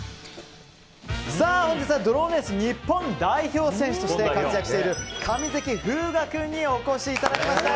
本日はドローンレース日本代表選手として活躍している上関風雅君にお越しいただきました。